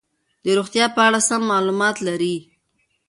د روغتیا په اړه سم معلومات لري.